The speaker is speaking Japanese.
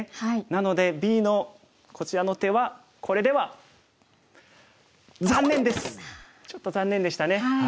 なのでＢのこちらの手はこれではちょっと残念でしたね。